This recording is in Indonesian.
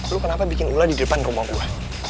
lu kenapa bikin ular di depan rumah gua